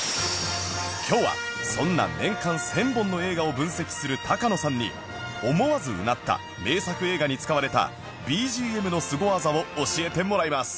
今日はそんな年間１０００本の映画を分析するタカノさんに思わず唸った名作映画に使われた ＢＧＭ のスゴ技を教えてもらいます